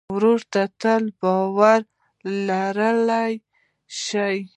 ورور ته تل باور لرلی شې.